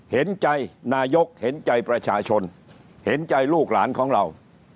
เห็นใจนายกเห็นใจประชาชนเห็นใจลูกหลานของเรา